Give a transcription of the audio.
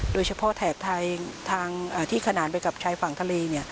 โดยเฉพาะแถบทางที่ขนานไปกับชายฝั่งทะเล